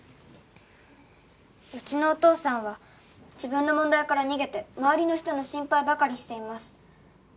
「うちのお父さんは自分の問題から逃げて周りの人の心配ばかりしています」